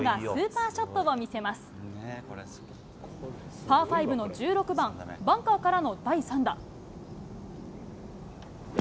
パー５の１６番、バンカーからの第３打。